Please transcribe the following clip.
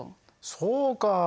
そうか。